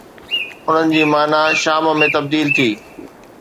انهن جي معني شام ۾ تبديل ٿي.